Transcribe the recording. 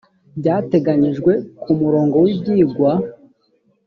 ibyateganijwe ku umurongo w ibyigwa